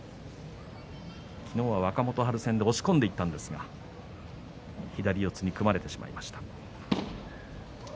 昨日は若元春戦で押し込んでいったんですが左四つに組まれてしまいました。